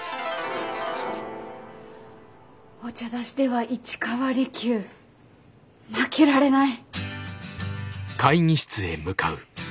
お茶出しでは市川利休負けられない。